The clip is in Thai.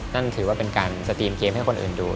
นั่นถือว่าเป็นการสตรีมเกมให้คนอื่นดู